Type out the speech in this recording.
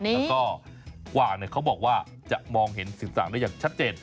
แล้วก็กวางเขาบอกว่าจะมองเห็นสืบสารได้อย่างชัดเจน